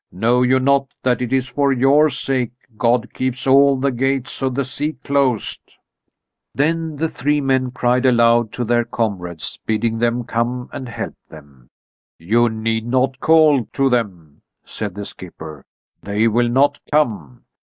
Know you not that it is for your sake God keeps all the gates of the sea closed?" Then the three men cried aloud to their comrades, bidding them come and help them. "You need not call to them," said the skipper. "They will not come.